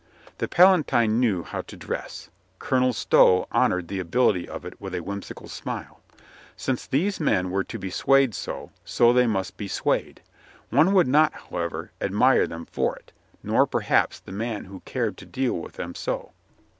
The Pala tine knew how to dress. Colonel Stow honored the ability of it with a whimsical smile. Since these men were to be swayed so, so they must be swayed. One would not, however, admire them for it, nor perhaps the man who cared to deal with them so.